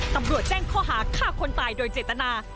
ตำรวจแจ้งข้อหาฆ่าคนตายโดยเจตนา